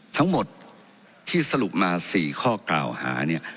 ทั้งหมดที่สรุปมา๔ข้อกล่าวหาเนี่ย